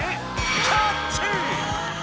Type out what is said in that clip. キャッチ！